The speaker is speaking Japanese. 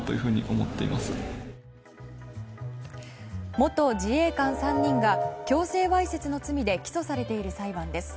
元自衛官３人が強制わいせつの罪で起訴されている裁判です。